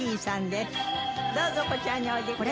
どうぞこちらにおいでください。